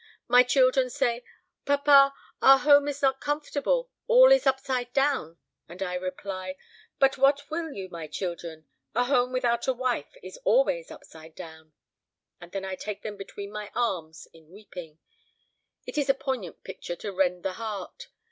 My children say, 'Papa, our home is not comfortable; all is upside down;' and I reply. 'But what will you, my children? A home without a wife is always upside down.' And then I take them between my arms, in weeping. It is a poignant picture to rend the heart.